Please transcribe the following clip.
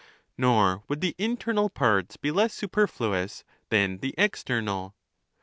Nor would the internal parts be less superfluous than the external.